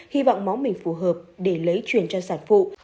hy vọng máu mình phù hợp để lấy truyền cho sản phụ